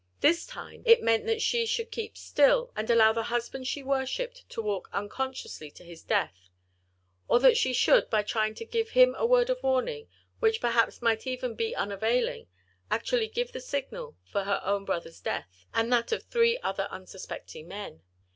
This time it meant that she should keep still, and allow the husband she worshipped to walk unconsciously to his death, or that she should, by trying to give him a word of warning, which perhaps might even be unavailing, actually give the signal for her own brother's death, and that of three other unsuspecting men.